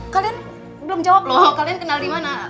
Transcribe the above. kalian belum jawab loh kalian kenal dimana